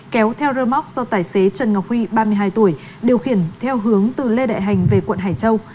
kéo theo rơ móc do tài xế trần ngọc huy ba mươi hai tuổi điều khiển theo hướng từ lê đại hành về quận hải châu